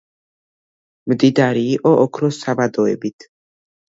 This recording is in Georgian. მდიდარი იყო ოქროს საბადოებით.